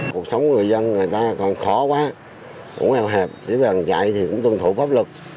cuộc sống của người dân người ta còn khó quá cũng eo hẹp chứ bằng chạy thì cũng tuân thủ pháp lực